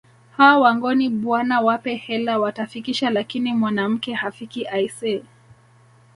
Hao Wangoni bwana wape hela watafikisha lakini mwanamke hafiki aisee